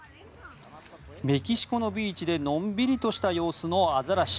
メキシコのビーチでのんびりとした様子のアザラシ。